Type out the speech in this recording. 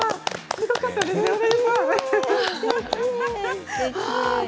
すごかったですよね。